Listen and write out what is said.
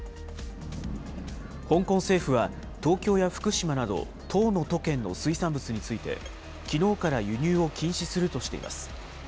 香港政府は、東京や福島など１０の都県の水産物について、きのうから輸入を禁止するとしています。